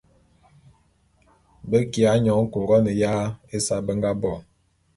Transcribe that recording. Be kiya nyône Couronne ya ésae be nga bo.